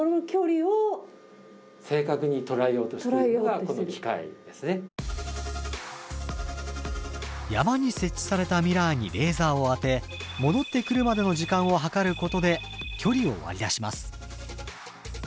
あっ今山に設置されたミラーにレーザーを当て戻ってくるまでの時間を測ることで距離を割り出します。